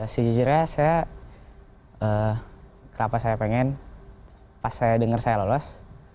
sejujurnya saya kenapa saya pengen pas saya dengar saya lolos